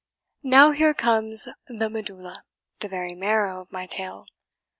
Now here comes the MEDULLA, the very marrow, of my tale.